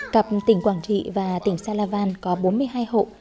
cặp tỉnh quảng trị và tỉnh salavan có bốn mươi hai hộ